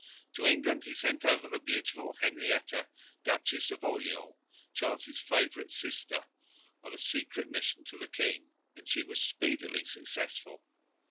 To England he sent over the beautiful Henrietta, Duchess of Orleans, Charles' favourite sister, on a secret mission to the king, and she was speedily successful.